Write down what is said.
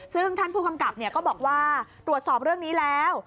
ซึ่งท่านผู้กำกับก็บอกว่าตรวจสอบเรื่องนี้แล้ว